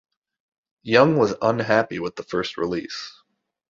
Young was unhappy with the first release.